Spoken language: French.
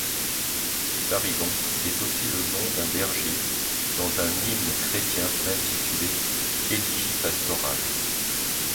Corydon est aussi le nom d'un berger dans un hymne chrétien intitulé Elegy pastorale.